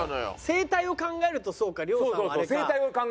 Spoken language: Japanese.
生態を考えるとそうか亮さんもあれか。